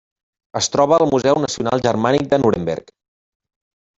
Es troba al Museu Nacional Germànic de Nuremberg.